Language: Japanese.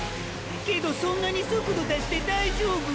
けどそんなに速度出して大丈夫？